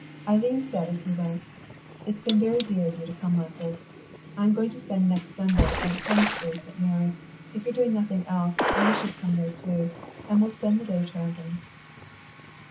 Eileen said as he went, "It's been dear of you to come like this.... I'm going to spend next Sunday at Holmbury St. Mary. If you're doing nothing else, I wish you'd come there too, and we'll spend the day tramping."